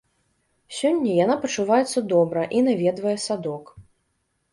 Сёння яна пачуваецца добра і наведвае садок.